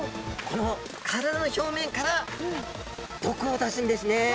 この体の表面から毒を出すんですね。